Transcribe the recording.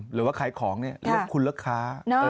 หรือว่าขายของหรือเรียกคุณลูกค้า